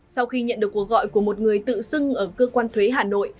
sau khi nhận được cuộc gọi của một người tự xưng ở cơ quan thuế hà nội